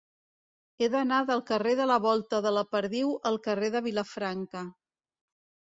He d'anar del carrer de la Volta de la Perdiu al carrer de Vilafranca.